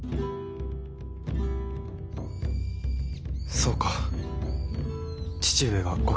そうか父上がご決断を。